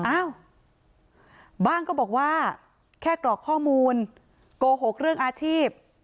อ้าวบ้างก็บอกว่าแค่กรอกข้อมูลโกหกเรื่องอาชีพ